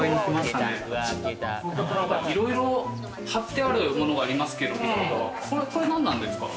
いろいろ貼ってあるものがありますけれども、これ何なんですか？